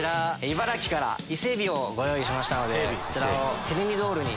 茨城から伊勢海老をご用意しました。